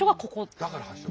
だから発祥。